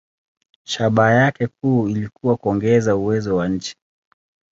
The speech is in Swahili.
Shabaha yake kuu ilikuwa kuongeza uwezo wa nchi.